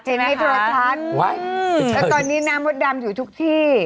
เทรนี่โทรทัศน์แล้วตอนนี้แนนร่ามดดามอยู่ทุกที่